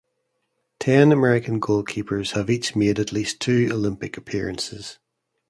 Ten American goalkeepers have each made at least two Olympic appearances.